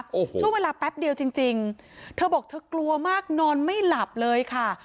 โอ้โหช่วงเวลาแป๊บเดียวจริงจริงเธอบอกเธอกลัวมากนอนไม่หลับเลยค่ะ